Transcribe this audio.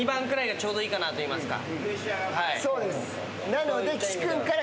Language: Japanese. なので。